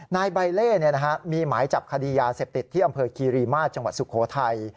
นายใบเล่มีหมายจับคดียาเสพติดที่อำเภอคีรีมาศจังหวัดสุโขทัย